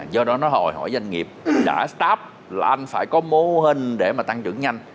do đó nói hồi hỏi doanh nghiệp đã start up là anh phải có mô hình để mà tăng trưởng nhanh